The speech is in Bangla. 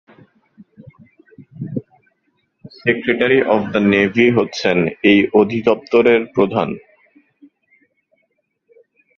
সেক্রেটারি অফ দ্য নেভি হচ্ছেন এই অধিদপ্তরের প্রধান।